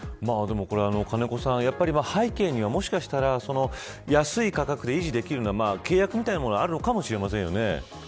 金子さん、背景にはもしかしたら安い価格で維持できるのは契約みたいなものがあるかもしれませんよね。